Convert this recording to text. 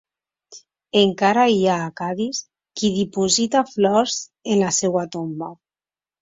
Encara hi ha a Cadis, qui diposita flors en la seva tomba.